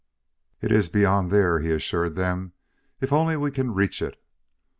"It is beyond there," he assured them, "if only we can reach it."